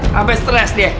sampai stress dia